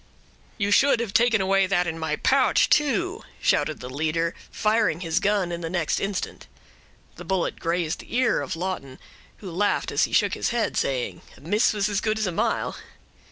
"You should have taken away that in my pouch, too," shouted the leader, firing his gun in the next instant. The bullet grazed the ear of Lawton, who laughed as he shook his head, saying, "A miss was as good as a mile."